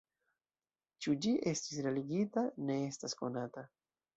Ĉu ĝi estis realigita, ne estas konata.